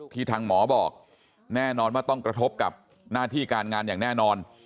ทางหมอบอกแน่นอนว่าต้องกระทบกับหน้าที่การงานอย่างแน่นอน